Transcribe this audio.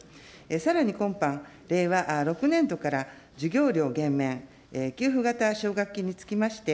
さらに今般、令和６年度から授業料減免、給付型奨学金につきまして、